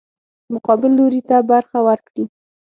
مقابل لوري ته برخه ورکړي.